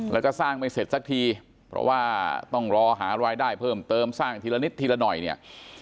แล้วก็สร้างไม่เสร็จสักทีเพราะว่าต้องรอหารายได้เพิ่มเติมสร้างทีละนิดทีละหน่อยเนี่ย